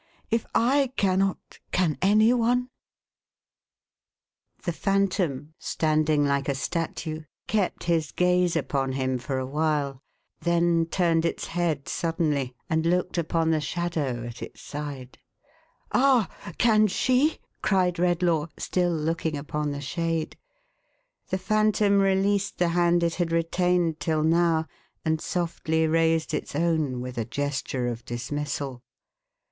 If I cannot, can any one ?" The Phantom, standing like a statue, kept his gaze upon him for a while; then turned its head suddenly, and looked upon the shadow at its side. "Ah! Can she?" cried Redlaw, still looking upon the shade. The Phantom released the hand it had retained till now. and softly raised its own with a gesture of dismissal.